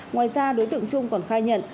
ngoài ra đối tượng trung còn khai nhận